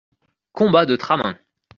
Combat de Tramin.